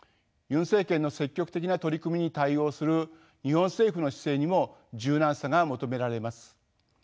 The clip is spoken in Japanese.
ユン政権の積極的な取り組みに対応する日本政府の姿勢にも柔軟さが求められます。